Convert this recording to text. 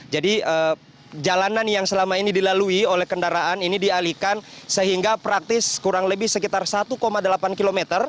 jadi jalanan yang selama ini dilalui oleh kendaraan ini dialihkan sehingga praktis kurang lebih sekitar satu delapan km